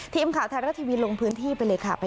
ทีมข่าวไทยรัฐทีวีลงพื้นที่ไปเลยค่ะ